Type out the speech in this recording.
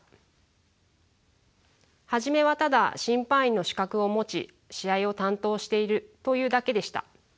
初めはただ審判員の資格を持ち試合を担当しているというだけでした。